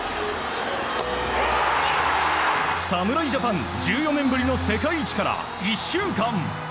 侍ジャパン１４年ぶりの世界一から１週間。